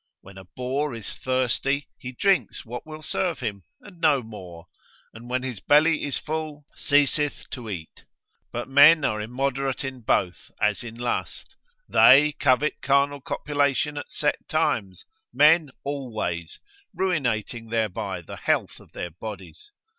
When a boar is thirsty, he drinks what will serve him, and no more; and when his belly is full, ceaseth to eat: but men are immoderate in both, as in lust—they covet carnal copulation at set times; men always, ruinating thereby the health of their bodies.